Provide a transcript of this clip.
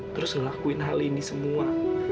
terus ngelakuin hal ini semua